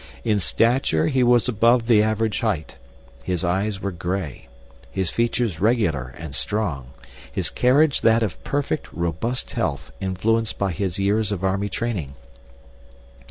In stature he was above the average height; his eyes were gray, his features regular and strong; his carriage that of perfect, robust health influenced by his years of army training.